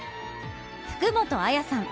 福元彩さん。